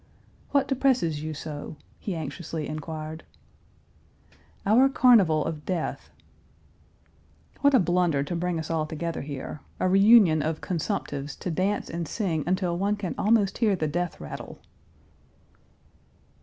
"What depresses you so?" he anxiously inquired. "Our carnival of death." What a blunder to bring us all together here! a reunion of consumptives to dance and sing until one can almost hear the death rattle!